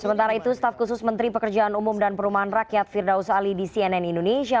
sementara itu staf khusus menteri pekerjaan umum dan perumahan rakyat firdaus ali di cnn indonesia